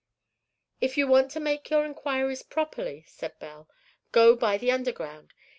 "If you want to make your inquiries properly," said Belle, "go by the underground.